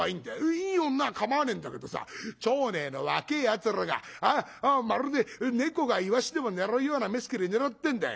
いい女は構わねえんだけどさ町内の若えやつらがまるで猫がイワシでも狙うような目つきで狙ってんだよ。